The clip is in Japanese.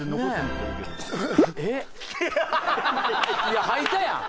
いや吐いたやん。